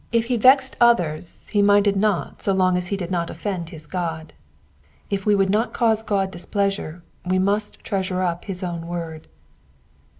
35 lie vexed others, he minded not so long as he did not offend his Qod. If we would not cause God displeasure we must treasure up his own word.